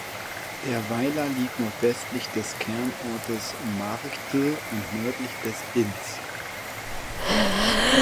Der Weiler liegt nordwestlich des Kernortes Marktl und nördlich des Inns.